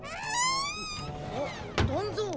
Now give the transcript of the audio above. あっ団蔵。